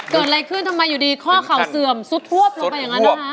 เกิดอะไรขึ้นทำไมอยู่ดีข้อเข่าเสื่อมซุดทวบลงไปอย่างนั้นนะคะ